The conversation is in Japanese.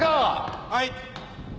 はい。